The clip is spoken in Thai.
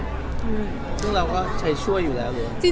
ซึ่งเราก็ใช้ช่วยอยู่แล้วอยู่